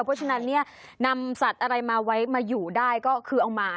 เพราะฉะนั้นเนี่ยนำสัตว์อะไรมาไว้มาอยู่ได้ก็คือเอามา